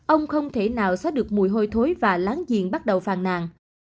ông không thể nào xóa được mùi hôi thối và láng giềng bắt đầu phàn nàn